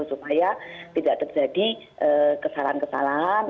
supaya tidak terjadi kesalahan kesalahan